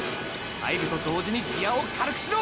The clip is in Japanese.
入ると同時にギアを軽くしろ！！